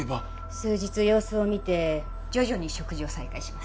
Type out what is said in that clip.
数日様子を見て徐々に食事を再開します。